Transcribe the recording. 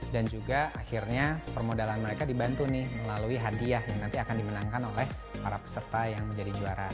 dan juga akhirnya permodalan mereka dibantu nih melalui hadiah yang nanti akan dimenangkan oleh para peserta yang menjadi juara